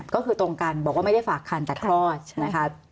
บอกว่าไม่ได้ฝากคันแต่คลอดนะคะ